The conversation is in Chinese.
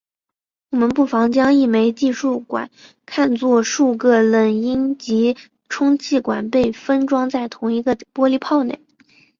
我们不妨将一枚计数管看作数个冷阴极充气管被封装在同一个玻璃泡内。